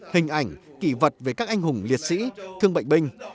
hình ảnh kỳ vật về các anh hùng liệt sĩ thương bệnh binh